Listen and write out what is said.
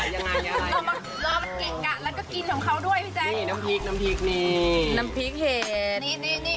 ร้อมะเกะกะแล้วก็กินของเขาด้วยพี่แจ้งนี่น้ำพรรคน้ำพรรทีกนี่น้ำพรรคเห็ศนี่นี่นี่